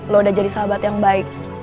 lo udah jadi sahabat yang baik